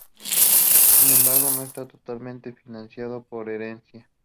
Sin embargo, no está totalmente financiado por herencia.